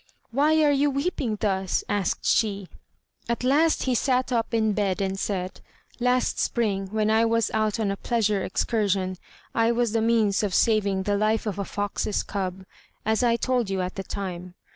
"Why are you weeping thus?" asked she. At last he sat up in bed and said: "Last spring, when I was out on a pleasure excursion, I was the means of saving the life of a fox's cub, as I told you at the time.